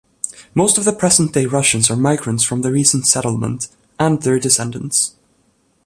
Most of the present-day Russians are migrants from the recent settlement, and their descendants.